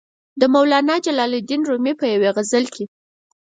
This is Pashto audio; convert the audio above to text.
د مولانا جلال الدین رومي په یوې غزل کې.